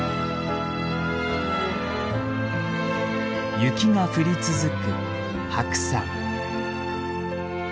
雪が降り続く白山。